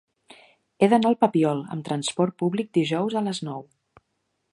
He d'anar al Papiol amb trasport públic dijous a les nou.